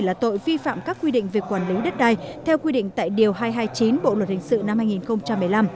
là tội vi phạm các quy định về quản lý đất đai theo quy định tại điều hai trăm hai mươi chín bộ luật hình sự năm hai nghìn một mươi năm